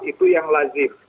itu yang lazif